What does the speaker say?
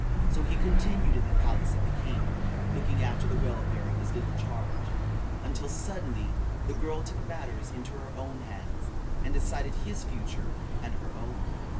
So he continued in the palace of the king, looking after the welfare of his little charge, until suddenly the girl took matters into her own hands, and decided his future and her own.